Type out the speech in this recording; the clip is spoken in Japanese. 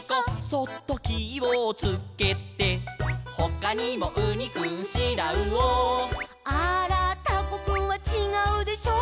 「そっときをつけて」「ほかにもウニくんシラウオ」「あーらータコくんはちがうでしょ」